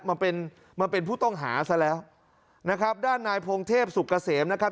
มาเป็นมาเป็นผู้ต้องหาซะแล้วนะครับด้านนายพงเทพสุกเกษมนะครับ